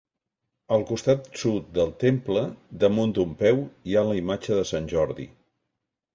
Al costat sud del temple, damunt d'un peu, hi ha la imatge de sant Jordi.